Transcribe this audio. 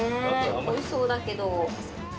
おいしそうだけど。